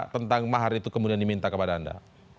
tentang mahar itu kemudian diminta kepada anda